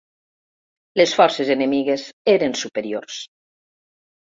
Les forces enemigues eren superiors.